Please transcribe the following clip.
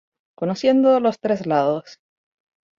Conociendo los tres lados.